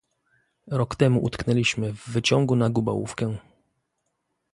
Rok temu utknęliśmy w wyciągu na Gubałówkę.